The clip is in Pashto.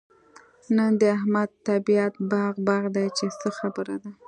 نن د احمد طبيعت باغ باغ دی؛ چې څه خبره ده؟